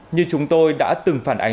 như chúng tôi đã từng phát hiện